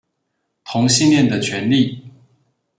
同性戀的權利